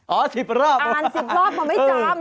อ๋อ๑๐รอบอะครับอ่าน๑๐รอบมาไม่จำ